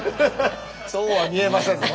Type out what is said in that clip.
そうは見えませんね。